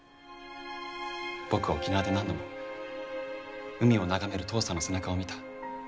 僕は沖縄で何度も海を眺める父さんの背中を見た。